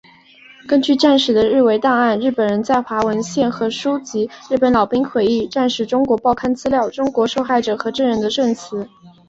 依据战时的日伪档案、日本人在华文献和书籍、日军老兵回忆、战时中国报刊资料、中国受害者和证人的证词